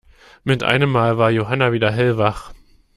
Mit einem Mal war Johanna wieder hellwach.